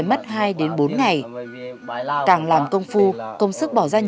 một ngày chúc mừng